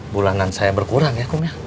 bulanan saya berkurang ya